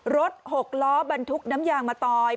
รถหกล้อบรรทุกน้ำยางมาตอย